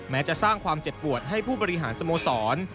จะสร้างความเจ็บปวดให้ผู้บริหารสโมสร